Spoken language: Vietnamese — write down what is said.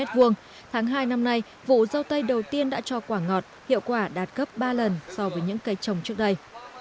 tháng hai năm nay vụ dâu tây đầu tiên đã cho quả ngọt hiệu quả đạt gấp ba lần so với những cây trồng trước đây